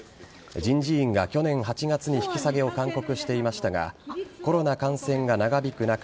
人事院が去年８月に引き下げを勧告していましたがコロナ感染が長引く